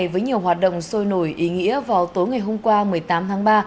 với nhiều hoạt động sôi nổi ý nghĩa vào tối ngày hôm qua một mươi tám tháng ba